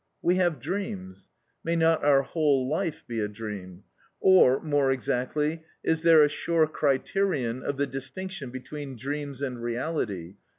We have dreams; may not our whole life be a dream? or more exactly: is there a sure criterion of the distinction between dreams and reality?